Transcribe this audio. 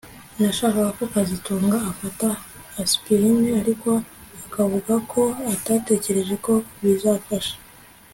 Nashakaga ko kazitunga afata aspirine ariko akavuga ko atatekereje ko bizafasha